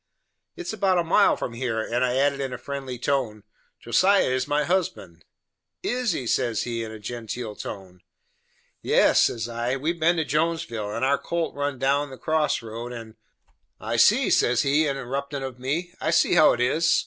"It is about a mile from here," and I added in a friendly tone, "Josiah is my husband." "Is he?" says he, in a genteel tone. "Yes," says I, "we have been to Jonesville, and our colt run down that cross road, and " "I see," says he interruptin' of me, "I see how it is."